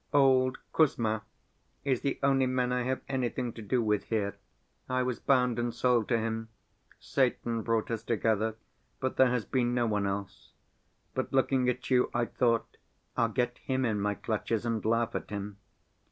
Old Kuzma is the only man I have anything to do with here; I was bound and sold to him; Satan brought us together, but there has been no one else. But looking at you, I thought, I'll get him in my clutches and laugh at him.